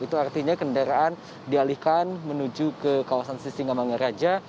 itu artinya kendaraan dialihkan menuju ke kawasan sisingamangaraja